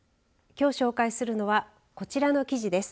きょう紹介するのはこちらの記事です。